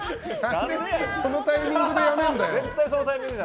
そのタイミングで辞めるなよ。